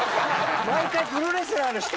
毎回プロレスラーの人。